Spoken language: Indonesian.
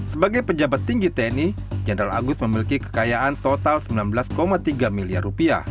sebagai pejabat tinggi tni jenderal agus memiliki kekayaan total rp sembilan belas tiga miliar